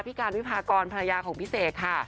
การวิพากรภรรยาของพี่เสกค่ะ